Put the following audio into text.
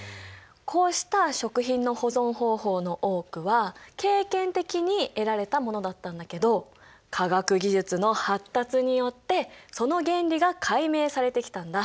こうした食品の保存方法の多くは経験的に得られたものだったんだけど科学技術の発達によってその原理が解明されてきたんだ。